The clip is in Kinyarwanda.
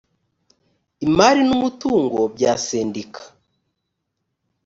imari n umutungo bya sendika